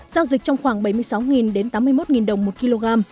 giao dịch trong khoảng bảy mươi sáu đến tám mươi một đồng một kg